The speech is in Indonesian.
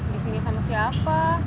disini sama siapa